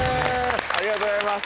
ありがとうございます。